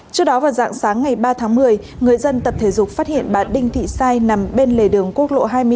trước đó vào dạng sáng ngày ba tháng một mươi người dân tập thể dục phát hiện bà đinh thị sai nằm bên lề đường quốc lộ hai mươi sáu